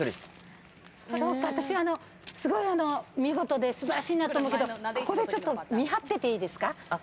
私、すごくあの、見事で素晴らしいなと思うけど、ここでちょっと見張ってていいですか？